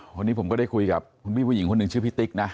วันนี้ผมก็ได้คุยกับคุณพี่ผู้หญิงคนหนึ่งชื่อพี่ติ๊กนะ